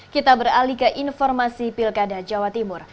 kita beralih ke informasi pilkada jawa timur